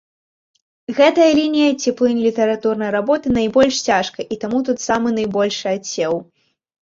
Гэтая лінія ці плынь літаратурнай работы найбольш цяжкая, і таму тут самы найбольшы адсеў.